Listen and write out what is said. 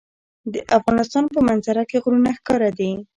د افغانستان په منظره کې غرونه ښکاره ده.